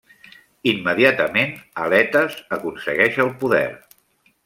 Immediatament, Aletes aconsegueix el poder.